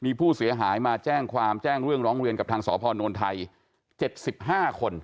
มีผู้เสียหายมาแจ้งความแจ้งเรื่องร้องเรียนกับทางสพนไทย๗๕คน